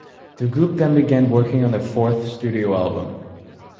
The group then began working on their fourth studio album.